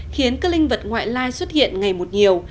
khiến các linh vật ngoại lai xuất hiện ngày một nhiều